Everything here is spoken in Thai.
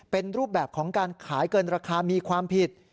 เป็นรูปแบบของการขายเกินราคามีความผิด